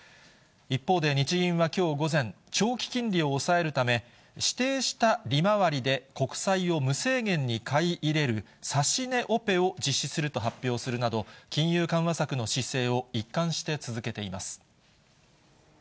一方で日銀はきょう午前、長期金利を抑えるため、指定した利回りで国債を無制限に買い入れる、指し値オペを実施すると発表するなど、金融緩和策の姿勢を一貫して続けています。